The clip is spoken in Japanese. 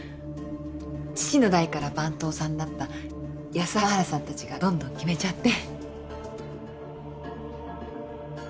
父の代から番頭さんだった安原さんたちがどんどん決めちゃって。